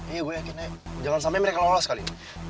iya gue yakinnya jangan sampai mereka lolos kali